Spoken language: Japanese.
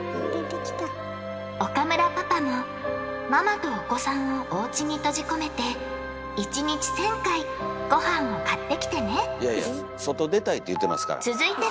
岡村パパもママとお子さんをおうちに閉じ込めて１日１，０００回ごはんを買ってきてねいやいや外出たいって言ってますから。